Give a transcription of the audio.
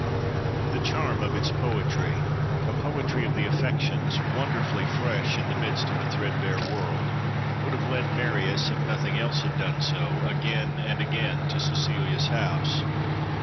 The charm of its poetry, a poetry of the affections, wonderfully fresh in the midst of a threadbare world, would have led Marius, if nothing else had done so, again and again, to Cecilia's house.